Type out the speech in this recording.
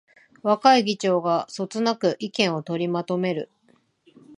若い議長がそつなく意見を取りまとめる